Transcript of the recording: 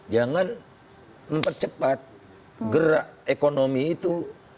jangan mempercepat gerak ekonomi itu